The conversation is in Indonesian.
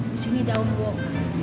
di sini daun woka